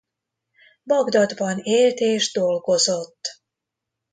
Bagdadban élt és dolgozott.